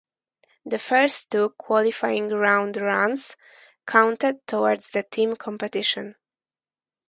The first two qualifying round runs counted toward the team competition.